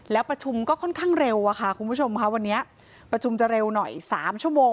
แล้วประชุมก็ค่อนข้างเร็วอะค่ะคุณผู้ชมค่ะวันนี้ประชุมจะเร็วหน่อย๓ชั่วโมง